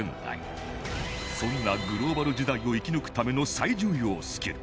そんなグローバル時代を生き抜くための最重要スキル